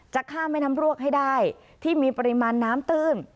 จะข้ามแม่น้ำรวกให้ได้ที่มีปริมาณน้ำตื้น